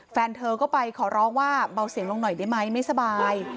แฟนเธอก็ไปขอร้องว่าเบาเสียงลงหน่อยได้ไหมไม่สบาย